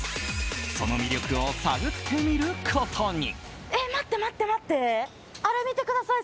その魅力を探ってみることに。